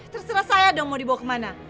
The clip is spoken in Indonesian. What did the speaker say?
terserah saya dong mau dibawa kemana